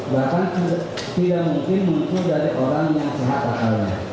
bahkan tidak mungkin muncul dari orang yang sehat pahala